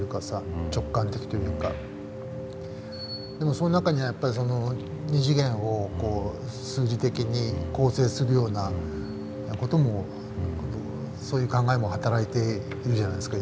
その中には二次元を数字的に構成するような事もそういう考えも働いているじゃないですか。